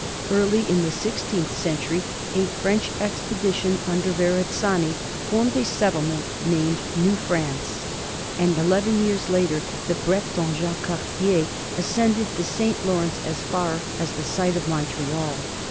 Early in the sixteenth century a French expedition under Yerazzani formed a settlement named New France, and eleven years later the Breton Jacques Cartier ascended the St. Lawrence as far as the site of Montreal.